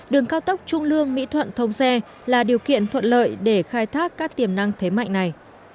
đường cao tốc trung lương mỹ thuận thông xe là điều kiện thuận lợi để khai thác các tiềm năng thế mạnh này